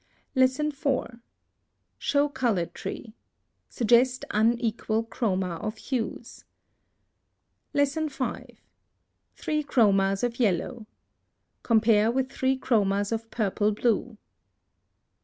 4. Show COLOR TREE. Suggest unequal chroma of hues. 5. THREE CHROMAS of YELLOW. Compare with three chromas of purple blue.